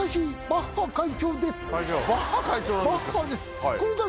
バッハ会長なんですか。